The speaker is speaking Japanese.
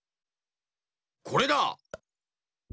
これだ！